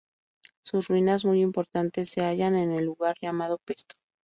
Sus ruinas, muy importantes, se hallan en el lugar llamado Pesto.